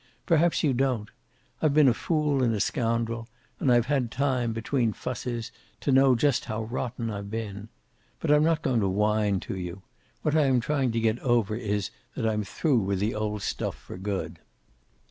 Perhaps you don't. I'd been a fool and a scoundrel, and I've had time, between fusses, to know just how rotten I've been. But I'm not going to whine to you. What I am trying to get over is that I'm through with the old stuff for good.